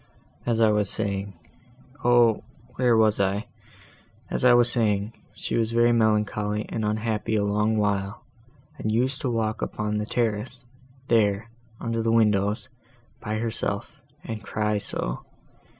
"As I was saying—O, where was I?—as I was saying—she was very melancholy and unhappy a long while, and used to walk about upon the terrace, there, under the windows, by herself, and cry so!